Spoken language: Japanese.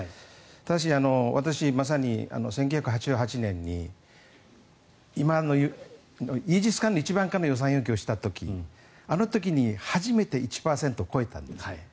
ただし、私まさに１９８８年に今のイージス艦の一番艦の予算要求をした時あの時に初めて１％を超えたんです。